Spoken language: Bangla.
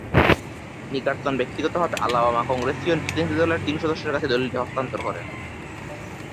নিকারসন ব্যক্তিগতভাবে আলাবামা কংগ্রেসীয় প্রতিনিধিদলের তিন সদস্যের কাছে দলিলটি হস্তান্তর করেন।